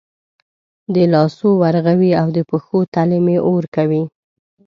د لاسو ورغوي او د پښو تلې مې اور کوي